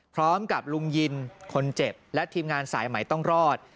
พร้อมกับลุงยินคนเจ็บและทีมงานสายใหม่ต้องรอด